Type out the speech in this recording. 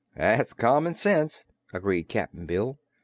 "That's common sense," agreed Cap'n Bill.